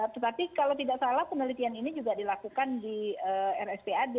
tetapi kalau tidak salah penelitian ini juga dilakukan di rspad